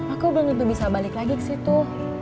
aku belum itu bisa balik lagi ke situ